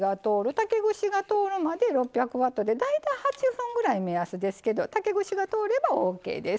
竹串が通るまで６００ワットで大体８分ぐらい目安ですけど竹串が通ればＯＫです。